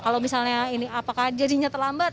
kalau misalnya ini apakah jadinya terlambat